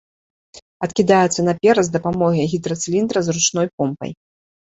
Адкідаецца наперад з дапамогай гідрацыліндра з ручной помпай.